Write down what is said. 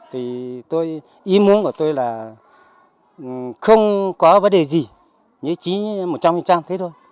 thì tôi ý muốn của tôi là không có vấn đề gì như trí một trăm linh thế thôi